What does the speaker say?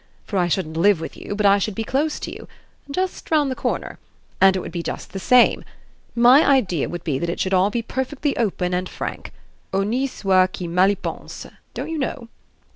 for I shouldn't live with you, but I should be close to you just round the corner, and it would be just the same. My idea would be that it should all be perfectly open and frank. Honi soit qui mal y pense, don't you know?